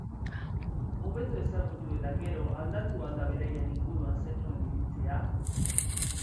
Hobeto ezagutu eta gero, aldatu al da beraien inguruan zenuen iritzia?